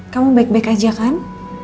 kamu baik baik aja kan